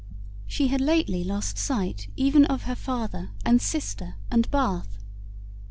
She had lately lost sight even of her father and sister and Bath.